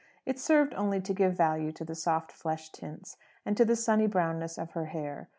It served only to give value to the soft flesh tints, and to the sunny brownness of her hair.